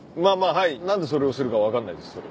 はい何でそれをするか分かんないですそれ。